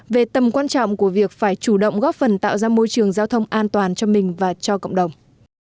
về tầm quan trọng của việc phải chủ động góp phần tạo ra môi trường giao thông an toàn cho mình và cho cộng đồng